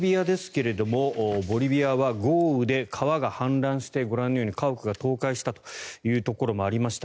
ボリビアは豪雨で川が氾濫してご覧のように家屋が倒壊したところもありました。